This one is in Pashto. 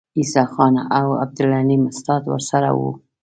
عیسی خان او عبدالحلیم استاد ورسره وو.